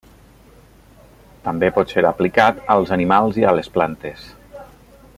També pot ser aplicat als animals i a les plantes.